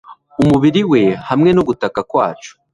umubiri we hamwe no gutaka kwacu